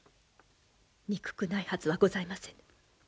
憎くないはずはございませぬ。